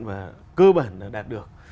và cơ bản đã đạt được